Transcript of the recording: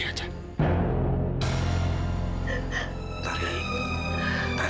saya sopan dia